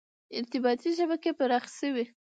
• ارتباطي شبکې پراخې شوې.